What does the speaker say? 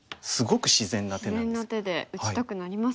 自然な手で打ちたくなりますよね。